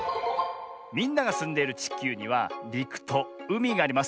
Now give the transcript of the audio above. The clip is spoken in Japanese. みんながすんでいるちきゅうにはりくとうみがあります。